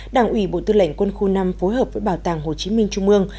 đảng ủy bộ tư lệnh quân khu năm phối hợp với bảo tàng hồ chí minh trung ương